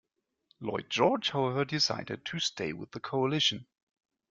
Lloyd George, however, decided to stay with the Coalition.